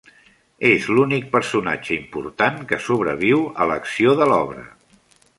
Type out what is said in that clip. És l'únic personatge important que sobreviu a l'acció de l'obra.